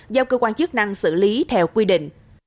do cơ quan chức năng xử lý theo quy định